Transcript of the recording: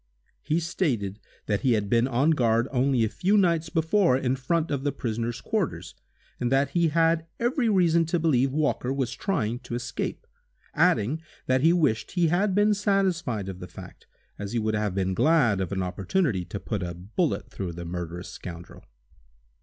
He stated that he had been on guard only a few nights before in front of the prisoner's quarters, and that he had every reason to believe Walker was trying to escape, adding that he wished he had been satisfied of the fact, as he would have been glad of an opportunity to put a bullet through the murderous scoundrel.